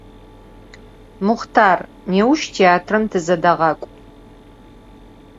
Muxhtar, nêuş têatram tızedeğak'u.